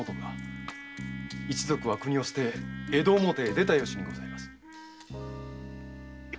一族は国を捨て江戸表へ出た由にございます。